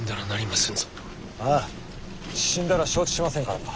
死んだら承知しませんからな！